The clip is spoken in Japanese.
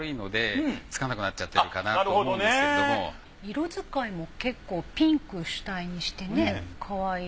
色づかいも結構ピンクを主体にしてねかわいい。